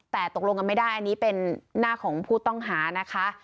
แต่ตกลงกันไม่ได้อันนี้เป็นหน้าของผู้ต้องหานะคะ